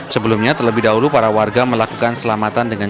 sebelumnya terlebih dahulu para warga melakukan selamatan dengan